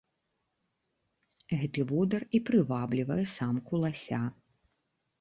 Гэты водар і прываблівае самку лася.